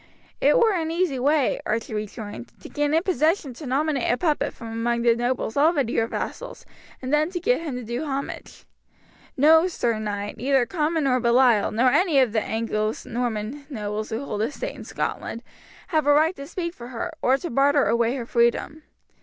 "It were an easy way," Archie rejoined, "to gain a possession to nominate a puppet from among the nobles already your vassals, and then to get him to do homage. No, sir knight, neither Comyn nor Baliol, nor any other of the Anglo Norman nobles who hold estate in Scotland, have a right to speak for her, or to barter away her freedom.